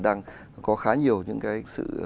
đang có khá nhiều những cái sự